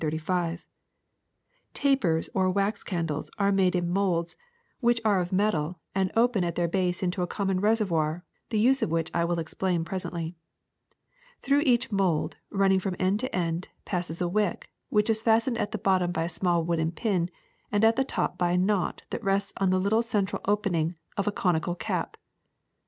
^'Tapers, or wax candles, are made in molds, which 138 THE SECRET OF EVERYDAY THINGS are of metal and open at their base into a common reservoir, the use of which I will explain presently. Through each mold, running from end to end, passes a wick, which is fastened at the bottom by a small wooden pin, and at the top by a knot that rests on the little central opening of a conical cap.